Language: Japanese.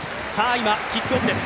今、キックオフです。